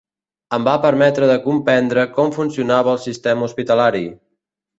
Em va permetre de comprendre com funcionava el sistema hospitalari